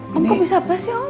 kamu kok bisa apa sih om